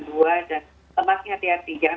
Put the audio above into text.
dua dan lemak hati hati jangan